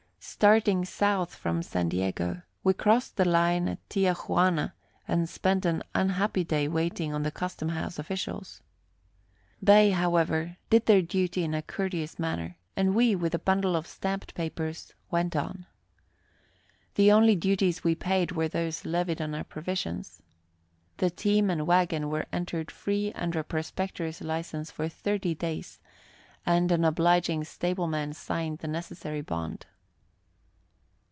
Starting south from San Diego, we crossed the line at Tia Juana, and spent an unhappy day waiting on the custom house officials. They, however, did their duty in a courteous manner, and we, with a bundle of stamped papers, went on. The only duties we paid were those levied on our provisions. The team and wagon were entered free under a prospector's license for thirty days, and an obliging stableman signed the necessary bond.